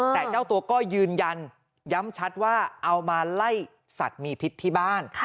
แต่เจ้าตัวก็ยืนยันย้ำชัดว่าเอามาไล่สัตว์มีพิษที่บ้าน